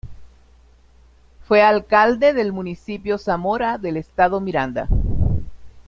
Fue alcalde del Municipio Zamora del Estado Miranda.